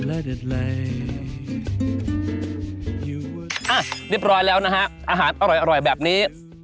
เรียบร้อยแล้วนะฮะอาหารอร่อยแบบนี้